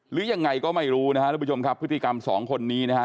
หรือยังไงก็ไม่รู้นะฮะทุกผู้ชมครับพฤติกรรมสองคนนี้นะฮะ